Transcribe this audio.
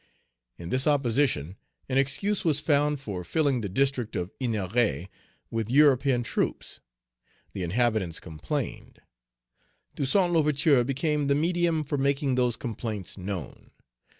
In this opposition an excuse was found for filling the district of Ennery with European troops. The inhabitants complained. Toussaint L'Ouverture became the medium for making those complaints known.